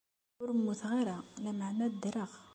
Ur mmuteɣ ara, lameɛna ddreɣ.